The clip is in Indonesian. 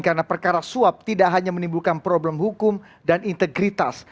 karena perkara suap tidak hanya menimbulkan problem hukum dan integritas